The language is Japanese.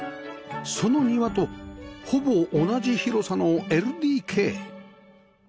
その庭とほぼ同じ広さの ＬＤＫ